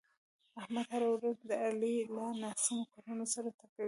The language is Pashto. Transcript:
احمد هره ورځ د علي له ناسمو کړنو سر ټکوي.